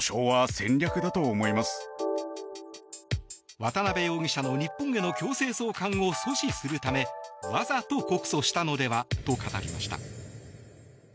渡邉容疑者の日本への強制送還を阻止するためわざと告訴したのではと語りました。